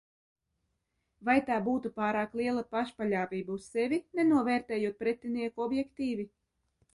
Vai tā būtu pārāk liela pašpaļāvība uz sevi, nenovērtējot pretinieku objektīvi.